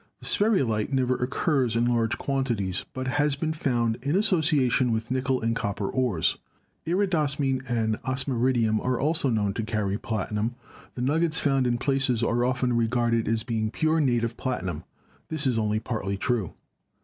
The sperrylite never occurs in large quantities, but has been found in association with nickel and copper ores. Iridosmine and osmiridium are also known to carry plati num. The nuggets found in placers are often regarded as being pure native platinum; this is only partly true.